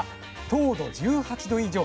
糖度１８度以上。